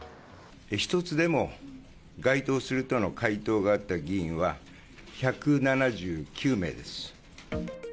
一つでも該当するとの回答があった議員は、１７９名です。